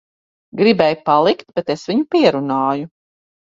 Gribēja palikt, bet es viņu pierunāju.